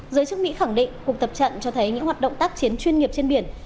giới chức mỹ khẳng định cuộc tập trận cho thấy những hoạt động tác chiến chuyên nghiệp trên biển